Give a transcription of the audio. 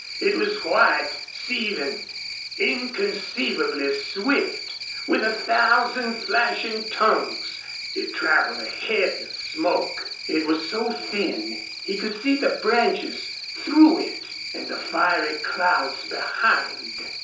It was white, seething, inconceivably swift, with a thousand flashing tongues. It traveled ahead of smoke. It was so thin he could see the branches through it, and the fiery clouds behind.